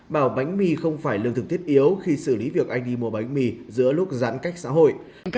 bảo bánh mì không phải lương thực thiết yếu khi xử lý việc anh đi mua bánh mì giữa lúc giãn cách xã hội